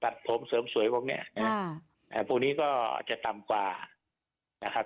ตัดผมเสริมสวยพวกเนี้ยค่ะอ่าอ่าพวกนี้ก็จะต่ำกว่านะครับ